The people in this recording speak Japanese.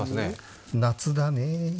夏だね。